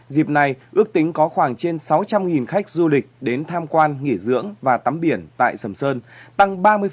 dịp này ước tính có khoảng trên sáu trăm linh khách du lịch đến tham quan nghỉ dưỡng và tắm biển tại sầm sơn